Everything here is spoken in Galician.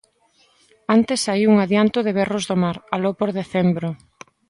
Antes saíu un adianto de berros do mar, aló por decembro.